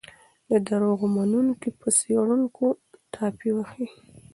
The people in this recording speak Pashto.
د دروغو منونکي په څېړونکو ټاپې وهي.